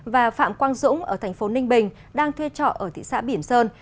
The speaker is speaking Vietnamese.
và phạm quang dũng ở thành phố ninh bình đang thuê trọ ở thị xã bỉm sơn